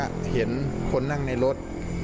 เห็นคนนั่งในรถ